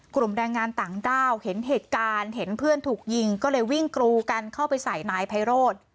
แรงงานต่างด้าวเห็นเหตุการณ์เห็นเพื่อนถูกยิงก็เลยวิ่งกรูกันเข้าไปใส่นายไพโรธ